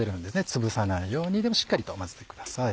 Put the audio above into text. つぶさないようにでもしっかりと混ぜてください。